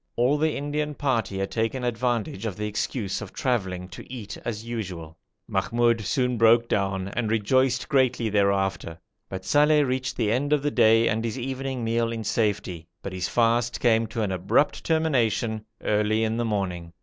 All the Indian party had taken advantage of the excuse of travelling to eat as usual. Mahmoud soon broke down and rejoiced greatly thereafter, but Saleh reached the end of the day and his evening meal in safety, but his fast came to an abrupt termination early in the morning.